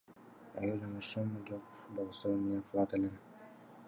Эгер жумушум жок болсо эмне кылат элем?